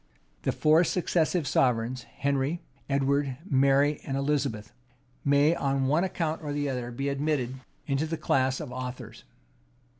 The four successive sovereigns, Henry, Edward, Mary, and Elizabeth, may, on one account or other, be admitted into the class of authors.